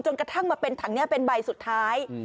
กระทั่งมาเป็นถังนี้เป็นใบสุดท้าย